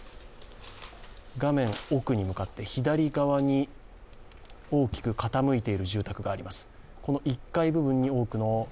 画面奥に向かって左側に大きく傾いている住宅があります。